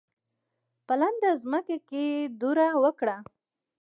په لنده ځمکه یې دوړه وکړه.